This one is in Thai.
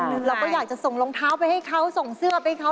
เราก็อยากจะส่งรองเท้าไปให้เขาส่งเสื้อไปเขา